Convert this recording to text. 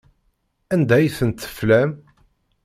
Anda ay tent-teflam?